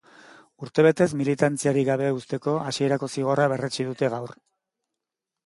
Urtebetez militantziarik gabe uzteko hasierako zigorra berretsi dute gaur.